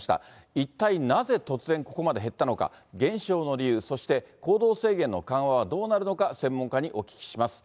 一体なぜ突然ここまで減ったのか、減少の理由、そして行動制限の緩和はどうなるのか、専門家にお聞きします。